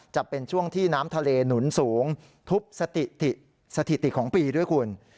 จะเป็นช่วงที่น้ำทะเลหนุนสูงทุบสถิติของปีด้วยคุณ